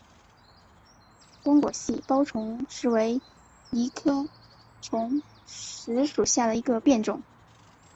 光果细苞虫实为藜科虫实属下的一个变种。